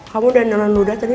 kamu udah nonton ludah tadi